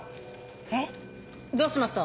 えっ？どうしました？